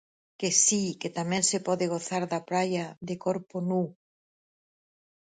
Que si, que tamén se pode gozar da praia de corpo nu.